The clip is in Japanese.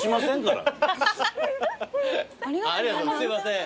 すいません。